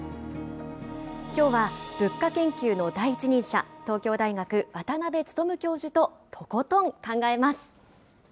きょうは物価研究の第一人者、東京大学、渡辺努教授ととことん考えます。